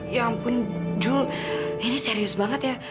ya ampun jul ini serius banget ya